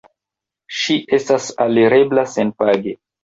Ŝi estas alirebla senpage.